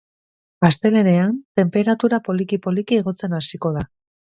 Astelehenean tenperatura poliki-poliki igotzen hasiko da.